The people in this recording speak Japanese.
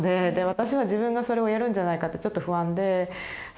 私は自分がそれをやるんじゃないかってちょっと不安で。